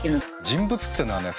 人物っていうのはね